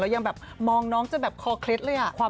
ยังแบบมองน้องจนแบบคอเคล็ดเลย